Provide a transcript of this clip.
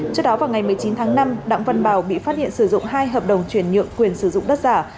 trước đó vào ngày một mươi chín tháng năm đặng văn bào bị phát hiện sử dụng hai hợp đồng chuyển nhượng quyền sử dụng đất giả